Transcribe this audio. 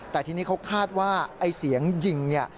แต่ทีนี้เขาคาดว่าไอ้เสียงยิงเนี่ย